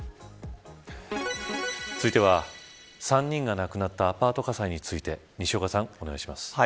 続いては３人が亡くなったアパート火災について西岡さん、お願いします。